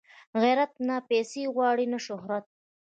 غیرت نه پیسې غواړي نه شهرت